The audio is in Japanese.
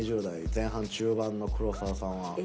２０代前半中盤の黒沢さんは。